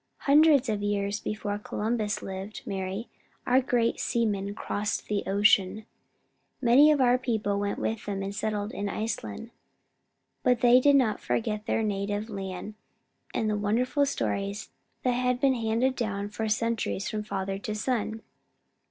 "Hundreds of years before Columbus lived, Mari, our great seamen crossed the ocean. Many of our people went with them and settled in Iceland. But they did not forget their native land and the wonderful stories that had been handed down for centuries from father to son.